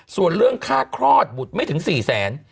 ส่วนเรื่องค่าคลอดบุตรไม่ถึง๔แสน